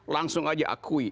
langsung saja akui